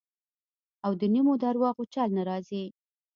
او د نیمو درواغو چل نه راځي.